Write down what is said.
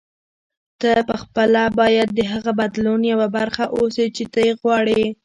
ته پخپله باید د هغه بدلون یوه برخه اوسې چې ته یې غواړې.